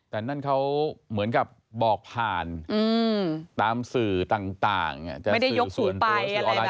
แต่นั่นเขาเหมือนกับบอกผ่านตามสื่อต่างไม่ได้ยกขู่ไปอะไรแบบนี้ไง